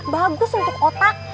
bagus untuk otak